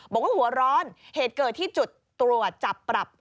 บอกว่าหัวร้อนเหตุเกิดที่จุดตรวจจับปรับ